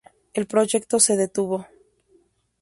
El proyecto se detuvo.